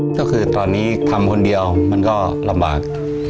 ก็คือตอนนี้ทำคนเดียวมันก็ลำบาก